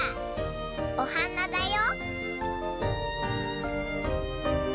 おはなだよ。